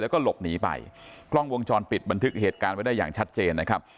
แล้วก็หลบหนีไปกล้องวงจรปิดบันทึกเหตุการณ์ไว้ได้อย่างชัดเจนนะครับ